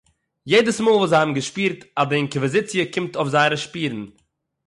יעדעס מאָל וואָס זיי האָבן געשפּירט אַז די אינקוויזיציע קומט אויף זייערע שפּורן